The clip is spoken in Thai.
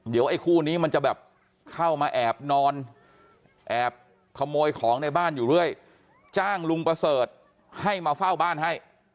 เดี๋ยวไอ้คู่นี้มันจะแบบเข้ามาแอบนอนแอบขโมยของในบ้านอยู่เรื่อยจ้างลุงประเสริฐให้มาเฝ้าบ้านให้